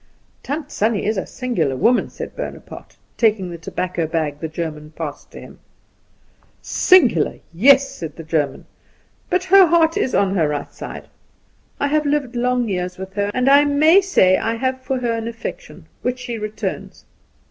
"Tant Sannie is a singular woman," said Bonaparte, taking the tobacco bag the German passed to him. "Singular! Yes," said the German; "but her heart is on her right side. I have lived long years with her, and I may say, I have for her an affection, which she returns.